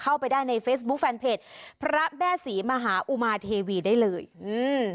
เข้าไปได้ในเฟซบุ๊คแฟนเพจพระแม่ศรีมหาอุมาเทวีได้เลยอืม